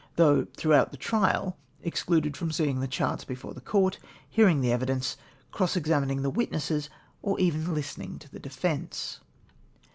though, throughout the trial, excluded from seeing the charts before the Court, hearing the evidence, cross examining the witnesses, or even listening to the defence